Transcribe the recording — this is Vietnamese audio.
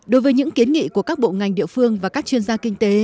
đối với những kiến nghị của các bộ ngành địa phương và các chuyên gia kinh tế